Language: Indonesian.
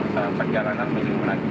kota berapa atau berupa mereka diperankan